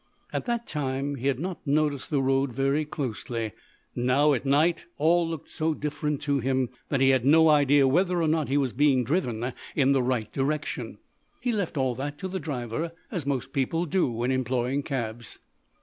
At that time he had not noticed the road very closely. Now, at night, all looked so different to him that he had no idea whether or not he was being driven in the right direction. He left all that to the driver, as most people do when employing cabs.